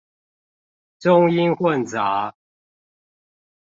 中英混雜